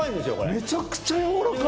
めちゃくちゃ柔らかい。